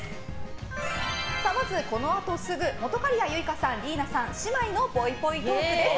まずこのあとすぐ本仮屋ユイカさん、リイナさん姉妹のぽいぽいトークです。